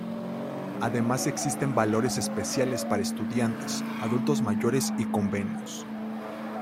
Además existen valores especiales para estudiantes, adultos mayores y convenios.